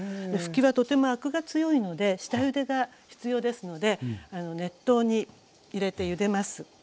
ふきはとてもアクが強いので下ゆでが必要ですので熱湯に入れてゆでます。